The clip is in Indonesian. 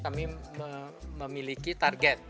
kami memiliki target